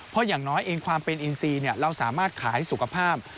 เพราะอย่างน้อยเองความเป็นอินซีเราสามารถขายสุขภาพ